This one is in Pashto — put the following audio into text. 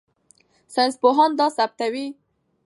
ساینسپوهان دا ثبتوي.